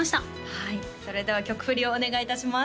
はいそれでは曲振りをお願いいたします